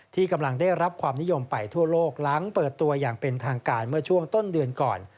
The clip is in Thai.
ที่กำลังได้รับความนิยมไปทั่วโลกหลังเปิดตัวอย่างเป็นทางการเมื่อช่วงต้นเดือนก่อน